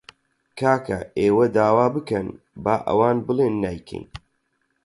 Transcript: کاکە ئێوە داوا بکەن، با ئەوان بڵێن نایکەین